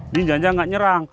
ninja nya nggak nyerang